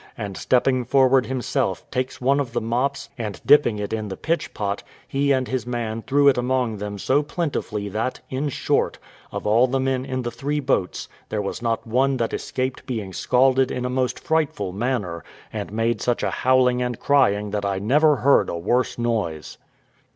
and stepping forward himself, takes one of the mops, and dipping it in the pitch pot, he and his man threw it among them so plentifully that, in short, of all the men in the three boats, there was not one that escaped being scalded in a most frightful manner, and made such a howling and crying that I never heard a worse noise.